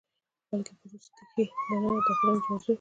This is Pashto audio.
بلکې په روس کښې دننه د فلم د موضوع،